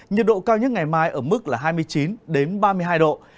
nhiệt độ cao nhất ngày mai ở mức là ba mươi hai độ